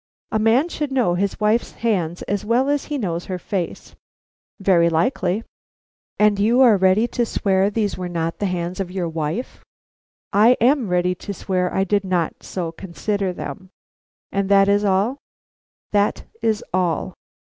"A man should know his wife's hands as well as he knows her face." "Very likely." "And you are ready to swear these were not the hands of your wife?" "I am ready to swear I did not so consider them." "And that is all?" "That is all."